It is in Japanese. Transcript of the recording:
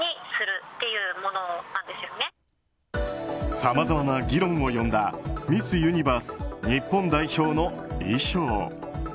さまざまな議論を呼んだミス・ユニバース日本代表の衣装。